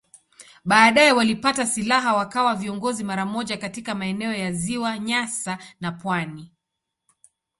Baadaye walipata silaha wakawa viongozi mara moja katika maeneo ya Ziwa Nyasa na pwani.